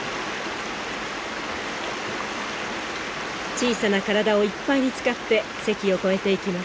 小さな体をいっぱいに使ってせきを越えていきます。